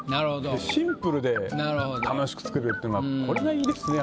でシンプルで楽しく作れるっていうのがこれがいいですね